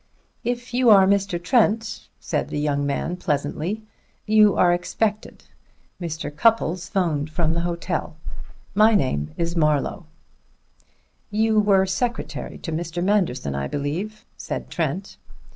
"If you are Mr. Trent," said the young man pleasantly, "you are expected. Mr. Cupples 'phoned from the hotel. My name is Marlowe." "You were secretary to Mr. Manderson, I believe," said Trent.